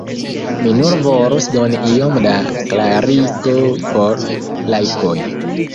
Mi nur volus doni iom da klarigo por laikoj.